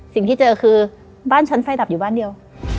สิ่งที่เจอคือบ้านฉันไฟดับอยู่บ้านเดียว